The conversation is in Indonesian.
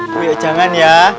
boyo jangan ya